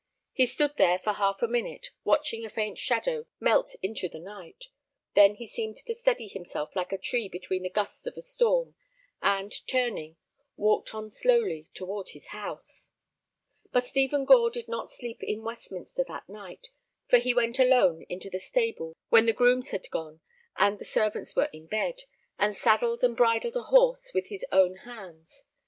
He stood there for half a minute watching a faint shadow melt into the night. Then he seemed to steady himself like a tree between the gusts of a storm, and, turning, walked on slowly toward his house. But Stephen Gore did not sleep in Westminster that night, for he went alone into the stable when the grooms had gone and the servants were in bed, and saddled and bridled a horse with his own hands.